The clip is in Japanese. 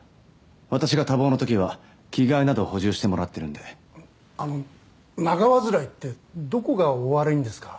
私が多忙のときは着替えなど補充してもらってるんであの長患いってどこが悪いんですか？